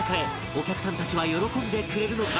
お客さんたちは喜んでくれるのか？